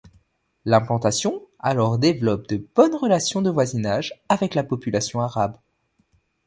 L'implantation alors développe de bonnes relations de voisinage avec la population arabe.